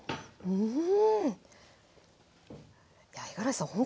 うん。